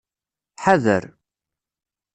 Ḥader.